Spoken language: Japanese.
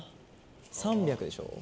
３００でしょ？